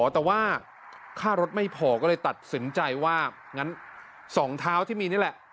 แต่ว่าค่ารถไม่พอก็เลยตัดสินใจว่างั้น๒เท้าที่มีนี่แหละ